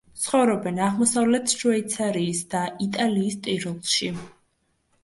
ცხოვრობენ აღმოსავლეთ შვეიცარიის და იტალიის ტიროლში.